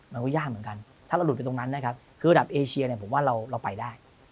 มันก็ยากเหมือนกันถ้าเราหลุดไปตรงนั้นนะครับคือระดับเอเชียเนี่ยผมว่าเราไปได้